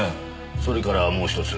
それからもう１つ。